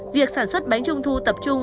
việc sản xuất bánh trung thu tập trung